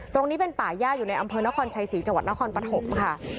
ตรงนี้เป็นป่าย่าอยู่ในอำเภอนครชัยศรีจังหวัดนครปฐมค่ะ